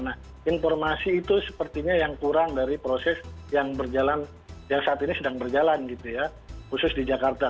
nah informasi itu sepertinya yang kurang dari proses yang berjalan yang saat ini sedang berjalan gitu ya khusus di jakarta